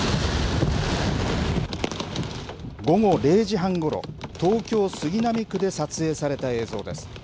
午後０時半ごろ、東京・杉並区で撮影された映像です。